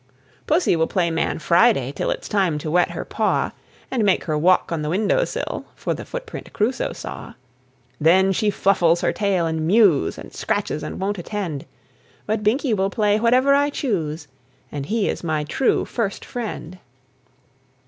Pussy will play Man Friday till It's time to wet her paw And make her walk on the window sill (For the footprint Crusoe saw); Then she fluffles her tail and mews, And scratches and won't attend. But Binkie will play whatever I choose, And he is my true First Friend.